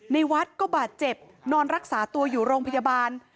ในวัดก็บาดเจ็บนอนรักษาตัวอยู่โรงพยาบาล